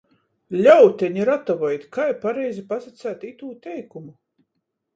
Ļauteni, ratavojit! Kai pareizi pasaceit itū teikumu?